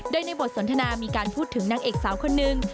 โดยในบทสนทนามีการพูดถึงนางเอกสาวคนนึง